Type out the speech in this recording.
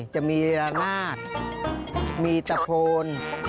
จะมีระนาดมีตะโพน